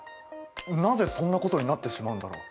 なぜそんなことになってしまうんだろう。